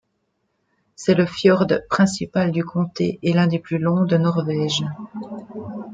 C'est le fjord principal du comté et l'un des plus longs de Norvège.